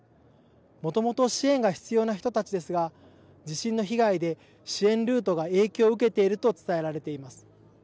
もともと支援が必要な人たちですが地震の被害で支援ルートが影響を受けていると伝えられています。